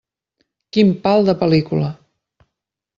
Quin pal de pel·lícula.